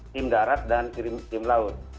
tim darat dan tim laut